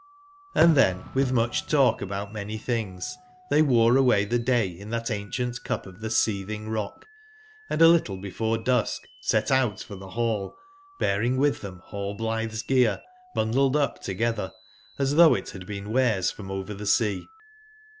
Hnd then, with much talk about many things, they wore away the day in that ancient cup of the seething rock, <& a little before dusk set out for the hall, bear ing with them Rallblithe's gear bundled up together, as though it had been wares from over sea.